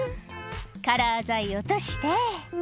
「カラー剤落として」